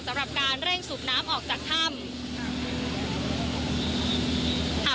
สำหรับการเร่งสูบน้ำออกจากถ้ำ